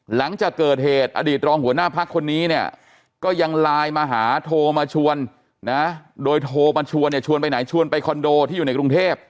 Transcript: หลังจากเกิดเหตุอดีตรองหัวหน้าพักคนนี้เนี่ยก็ยังไลน์มาหาโทรมาชวนนะโดยโทรมาชวนเนี่ยชวนไปไหนชวนไปคอนโดที่อยู่ในกรุงเทพ